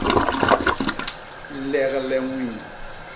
Legle ñwin.